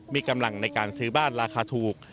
มีกำลังในการซื้อบ้านราคาถูก